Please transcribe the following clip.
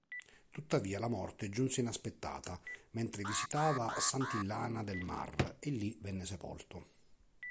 Tuttavia la morte giunse inaspettata mentre visitava Santillana del Mar e lì venne sepolto.